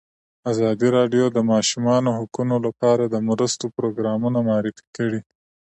ازادي راډیو د د ماشومانو حقونه لپاره د مرستو پروګرامونه معرفي کړي.